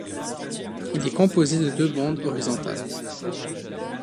Il est composé de deux bandes horizontales.